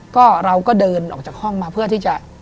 ก็เราก็เดินออกจากห้องมาเพื่อที่จะ